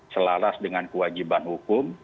selalas dengan kewajiban hukum